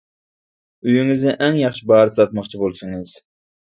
ئۆيىڭىزنى ئەڭ ياخشى باھادا ساتماقچى بولسىڭىز!